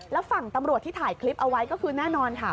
แล้วฝั่งตำรวจที่ถ่ายคลิปเอาไว้ก็คือแน่นอนค่ะ